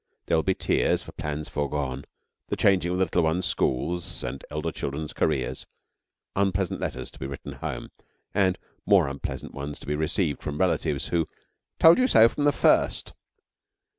There will be tears for plans forgone, the changing of the little ones' schools and elder children's careers, unpleasant letters to be written home, and more unpleasant ones to be received from relatives who 'told you so from the first.'